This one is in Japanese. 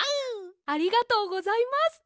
ありがとうございます。